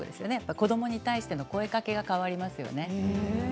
子どもに対しての声かけが変わりましたね。